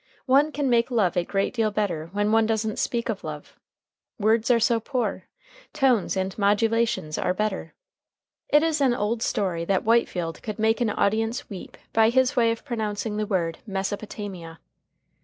One can make love a great deal better when one doesn't speak of love. Words are so poor! Tones and modulations are better. It is an old story that Whitefield could make an audience weep by his way of pronouncing the word Mesopotamia.